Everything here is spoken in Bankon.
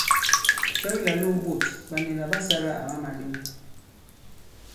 Cɛ ki làlōō ɓôt ɓa nila ɓa sālā àma màlew ?